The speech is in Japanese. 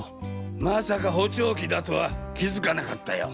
まさか補聴器だとは気づかなかったよ。